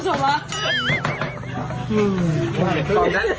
ส่งละ